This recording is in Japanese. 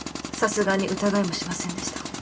さすがに疑いもしませんでした。